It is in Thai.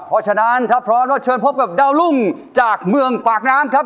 เพราะฉะนั้นถ้าพร้อมแล้วเชิญพบกับดาวรุ่งจากเมืองปากน้ำครับ